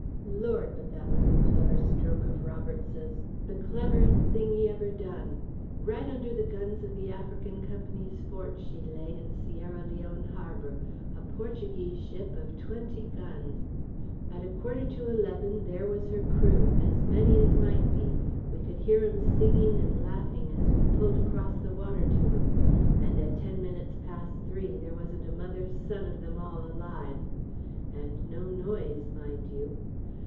"Lord, but that was a clever stroke of Roberts' the cleverest thing he ever done. Right under the guns of the African Comp'ny's fort she lay in Sierra Leone harbour a Portuguese ship of twenty guns. At a quarter to eleven there was her crew, as many as might be we could hear 'em singing and laughing as we pulled across the water to 'em and at ten minutes past three there wasn't a mother's son of them all alive; and no noise, mind you.